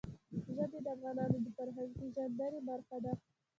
ژبې د افغانانو د فرهنګي پیژندنې برخه ده.